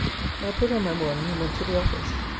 I put on my mourning and went to the office.